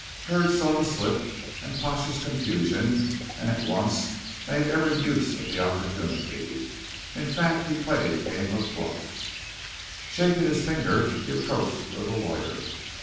Hurd saw the slip and Pash's confusion and at once made every use of the opportunity. In fact, he played a game of bluff. Shaking his finger he approached the little lawyer.